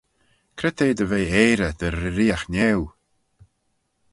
Cre t'eh dy ve eirey dy reeriaght Niau?